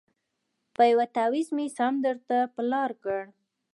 په یوه تعویذ مي سم درته پر لار کړ